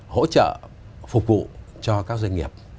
hỗ trợ phục vụ cho các doanh nghiệp